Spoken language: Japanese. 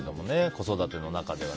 子育ての中では。